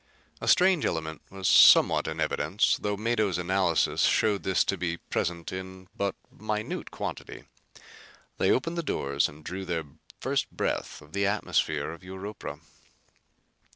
A strange element was somewhat in evidence, though Mado's analysis showed this to be present in but minute quantity. They opened the ports and drew their first breath of the atmosphere of Europa.